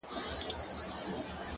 دا سپك هنر نه دى چي څوك يې پــټ كړي،